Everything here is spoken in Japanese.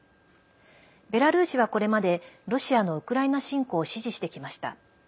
ベラルーシは、これまでロシアのウクライナ侵攻を支持してきました。